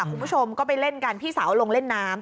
คุณผู้ชมก็ไปเล่นกันพี่สาวลงเล่นน้ำ